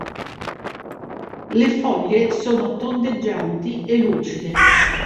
Le foglie sono tondeggianti e lucide.